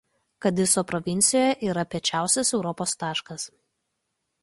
Kadiso provincijoje yra piečiausias Europos taškas.